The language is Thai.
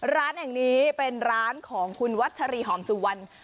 ร้านแห่งนี้เป็นร้านของคุณวัชรีหอมสุวรรณ